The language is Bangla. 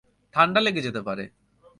ঠাণ্ডা লেগে যেতে পারে।